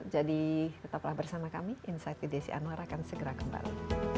jadi tetaplah bersama kami insight with desi anwar akan segera kembali